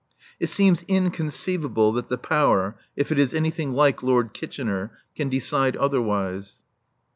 It seems inconceivable that the Power, if it is anything like Lord Kitchener, can decide otherwise.